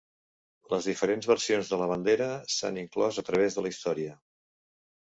Les diferents versions de la bandera s'han inclòs a través de la història.